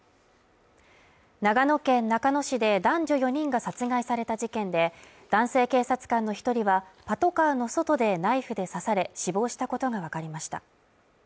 長野県中野市で男女４人が殺害された事件で、男性警察官の１人はパトカーの外でナイフで刺され死亡したことがわかりました。